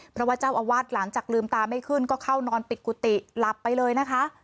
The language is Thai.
เพราะว่าเจ้าอาวาสหลังจากลืมตาไม่ขึ้นก็เข้านอนปิดกุฏิหลับไปเลยนะคะ